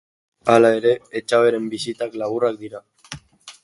Hala ere, Etxaberen bisitak laburrak dira.